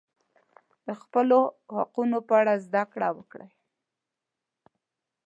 د خپلو حقونو په اړه زده کړه وکړئ.